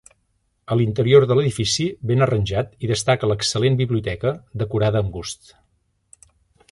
A l'interior de l'edifici, ben arranjat, hi destaca l'excel·lent biblioteca, decorada amb gust.